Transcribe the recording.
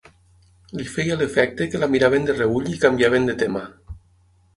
Li feia l'efecte que la miraven de reüll i canviaven de tema.